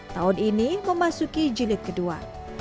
tahun ini memasuki jilid kedua